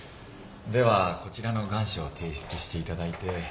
ではこちらの願書を提出していただいて。